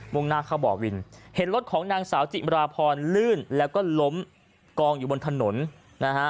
่งหน้าเข้าบ่อวินเห็นรถของนางสาวจิมราพรลื่นแล้วก็ล้มกองอยู่บนถนนนะฮะ